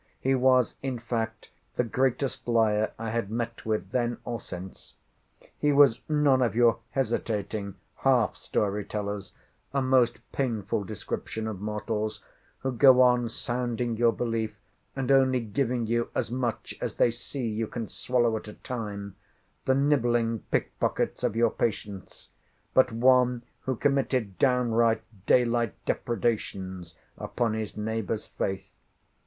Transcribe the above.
He was, in fact, the greatest liar I had met with then, or since. He was none of your hesitating, half story tellers (a most painful description of mortals) who go on sounding your belief, and only giving you as much as they see you can swallow at a time—the nibbling pickpockets of your patience—but one who committed downright, daylight depredations upon his neighbour's faith.